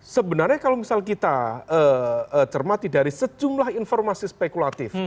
sebenarnya kalau misal kita cermati dari sejumlah informasi spekulatif